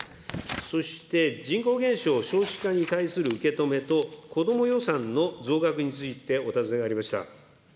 そして、人口減少、少子化に対する受け止めと、こども予算の増額についてお尋ねがありました。